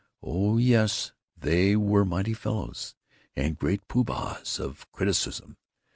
Oh, yes, they were mighty fellows, and great poo bahs of criticism!